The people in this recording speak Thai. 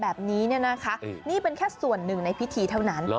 แบบนี้เนี่ยนะคะนี่เป็นแค่ส่วนหนึ่งในพิธีเท่านั้น